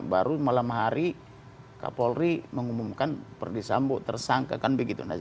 baru malam hari kapolri mengumumkan perdisambo tersangka kan begitu